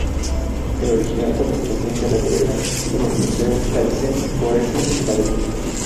El original correspondiente a "La Tierra" se exhibe en el Museo Thyssen-Bornemisza de Madrid.